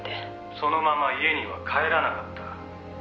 「そのまま家には帰らなかった」